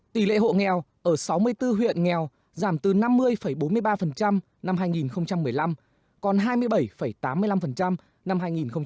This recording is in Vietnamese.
tỷ lệ hộ nghèo ở sáu mươi bốn huyện nghèo giảm từ năm mươi bốn mươi ba năm hai nghìn một mươi năm còn hai mươi bảy tám mươi năm năm hai nghìn một mươi tám